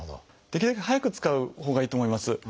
できるだけ早く使うほうがいいと思います。